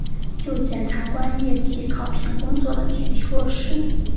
就检察官业绩考评工作的具体落实